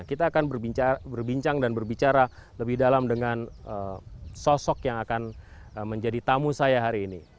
kita akan berbincang dan berbicara lebih dalam dengan sosok yang akan menjadi tamu saya hari ini